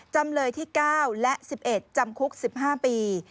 จำเลยที่๙และ๑๑จำคุก๑๕ปี